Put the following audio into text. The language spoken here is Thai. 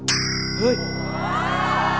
เฮ้ย